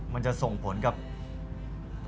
มันจะส่งผลกับ